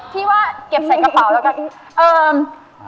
พี่ว่าเก็บใส่กระเป๋าแล้วกัน